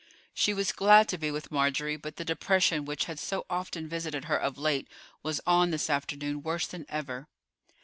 She was glad to be with Marjorie; but the depression which had so often visited her of late was on this afternoon worse than ever.